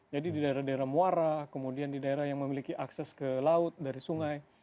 jadi di daerah daerah muara kemudian di daerah yang memiliki akses ke laut dari sungai